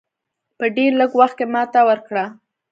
په ډېر لږ وخت کې ماته ورکړه.